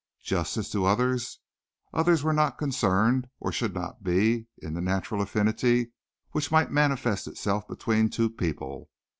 Justice to others? Others were not concerned, or should not be in the natural affinity which might manifest itself between two people.